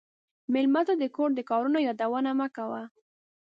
مېلمه ته د کور د کارونو یادونه مه کوه.